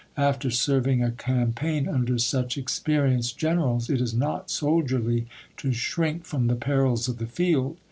After serving a campaign under such experienced gene rals, it is not soldierly to shrink from the perils of the field.